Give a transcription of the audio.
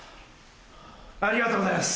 ありがとうございます。